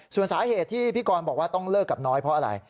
ส่วนสาเหตุที่พี่กรบอกว่าต้องเลิกกับน้อยเพราะอะไร